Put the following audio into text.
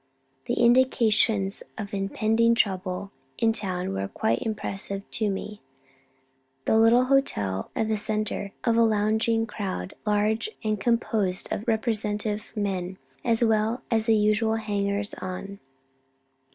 The indications of impending trouble in town were quite impressed upon me. The little hotel was the centre of a lounging crowd, large, and composed of representative men as well as the usual hangers on.